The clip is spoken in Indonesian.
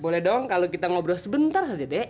boleh dong kalau kita ngobrol sebentar saja dek